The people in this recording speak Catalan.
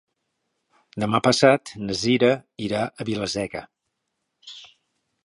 Demà passat na Cira irà a Vila-seca.